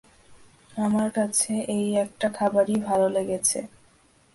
আমার কাছে এই একটা খাবারই ভাল লেগেছে।